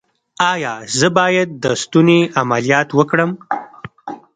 ایا زه باید د ستوني عملیات وکړم؟